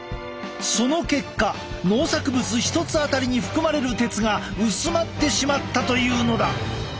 その結果農作物一つあたりに含まれる鉄が薄まってしまったというのだ。